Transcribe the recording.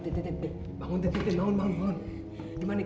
dimana dimana dimana